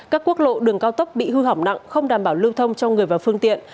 các quốc lộ đường cao tốc bị hư hỏng nặng không đảm bảo lưu thông cho người và phương tiện